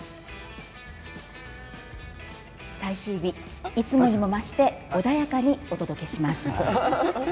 最終日いつにも増して穏やかにお届けします。